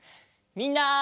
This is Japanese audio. みんな。